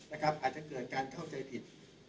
อาจจะเกิดการเข้าใจผิด